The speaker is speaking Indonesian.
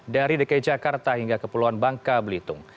dari dki jakarta hingga kepulauan bangka belitung